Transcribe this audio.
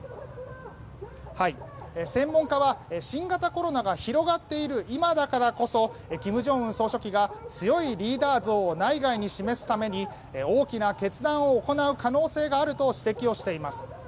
専門家は新型コロナが広がっている今だからこそ金正恩総書記が強いリーダー像を内外に示すために大きな決断を行う可能性があると指摘をしています。